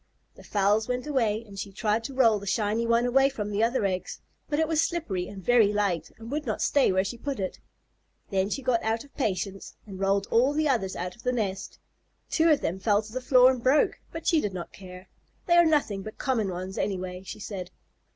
The fowls went away, and she tried to roll the shiny one away from the other eggs, but it was slippery and very light and would not stay where she put it. Then she got out of patience and rolled all the others out of the nest. Two of them fell to the floor and broke, but she did not care. "They are nothing but common ones, anyway," she said.